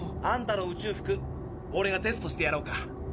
あんたの宇宙服オレがテストしてやろうか？